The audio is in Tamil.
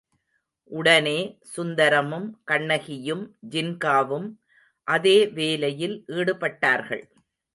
உடனே சுந்தரமும் கண்ணகியும் ஜின்காவும் அதே வேலையில் ஈடுபட்டார்கள்.